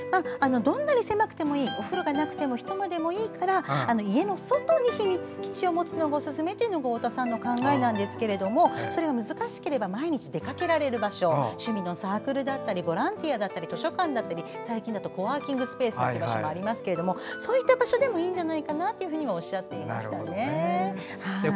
どんなに狭くてもいいお風呂がなくてもひと間でもいいから家のそばに秘密基地を持つのがおすすめというのが太田さんの考えなんですけどもそれは難しければ毎日出かけられる場所趣味のサークルだったりボランティア、最近だとコワーキングスペースといった場所もありますからそういった場所でもいいんじゃないかなともおっしゃっていましたね。